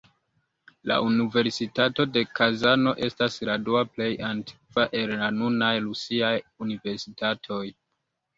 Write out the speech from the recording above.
La Universitato de Kazano estas la dua plej antikva el la nunaj rusiaj universitatoj.